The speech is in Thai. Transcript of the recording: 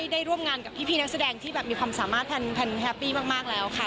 ได้ร่วมงานกับพี่นักแสดงที่แบบมีความสามารถแพนแฮปปี้มากแล้วค่ะ